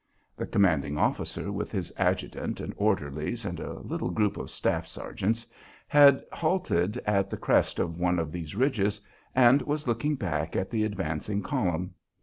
The commanding officer, with his adjutant and orderlies and a little group of staff sergeants, had halted at the crest of one of these ridges and was looking back at the advancing column.